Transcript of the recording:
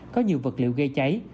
có nhiều vật liệu gây cháy